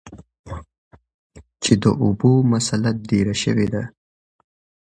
چې د اوبو مسله ډېره شوي ده ـ